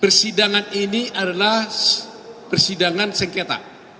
persidangan ini adalah persidangan sengketa